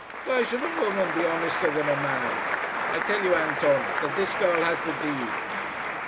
"Why should a woman be honester than a man? I tell you, Anton, that this girl has the deed."